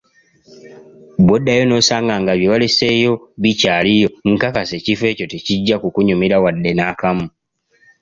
Bw‘oddayo n‘osanga nga byewaleseeyo bikyaliyo, nkakasa ekifo ekyo tekijja kukunyumira wadde nakamu.